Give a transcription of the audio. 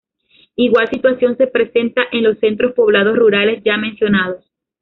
Igual situación se presenta en los centros poblados rurales ya mencionados.